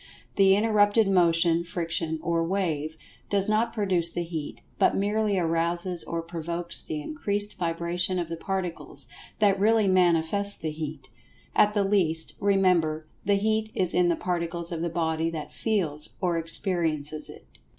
The interrupted motion, friction, or "wave" does not produce the Heat, but merely arouses or provokes the increased vibration of the Particles, that really manifest the Heat. At the last, remember, the Heat is in the Particles of the body that "feels" or experiences it.